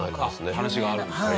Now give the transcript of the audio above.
話があるんですね。